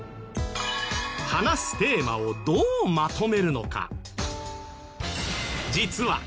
話すテーマをどうまとめるのか？